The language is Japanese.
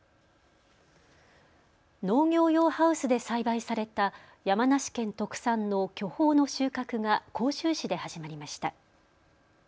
農業用ハウスで栽培された山梨県特産の巨峰の収穫が甲州市で始まりました。